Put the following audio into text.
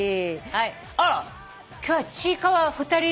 あら今日はちいかわ２人いる。